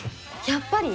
やっぱり。